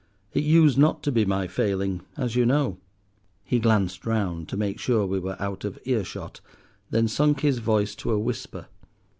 "It used not to be my failing, as you know." He glanced round to make sure we were out of earshot, then sunk his voice to a whisper.